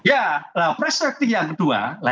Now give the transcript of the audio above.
ya perspektif yang kedua